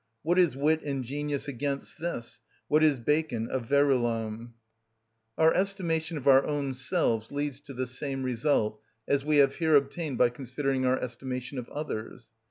What is wit and genius against this?—what is Bacon of Verulam? Our estimation of our own selves leads to the same result as we have here obtained by considering our estimation of others.